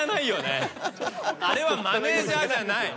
あれはマネジャーじゃない。